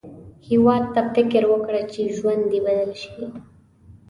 هیواد ته فکر وکړه، چې ژوند دې بدل شي